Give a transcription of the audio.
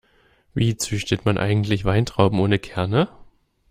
Wie züchtet man eigentlich Weintrauben ohne Kerne?